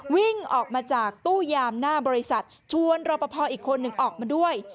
วิ่งออกมาจากตู้ยามหน้าบริษัทชวนรอปภอีกคนหนึ่งออกมาด้วย